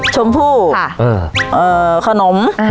ชมพู่เออขนม